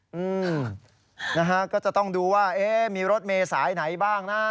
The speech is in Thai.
อืมนะฮะก็จะต้องดูว่าเอ๊ะมีรถเมย์สายไหนบ้างนะ